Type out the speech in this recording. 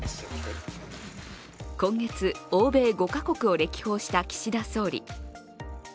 今月、欧米５カ国を歴訪した岸田総理。